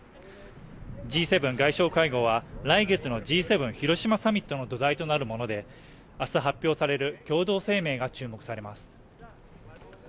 Ｇ７外相会合は来月のＧ７広島サミットの土台となるもので、明日発表される共同声明が注目されます。